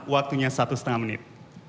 waktunya satu setengah menit